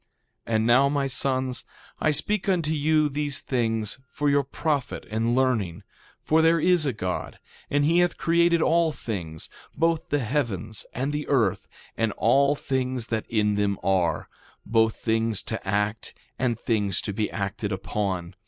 2:14 And now, my sons, I speak unto you these things for your profit and learning; for there is a God, and he hath created all things, both the heavens and the earth, and all things that in them are, both things to act and things to be acted upon.